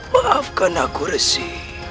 maafkan aku resi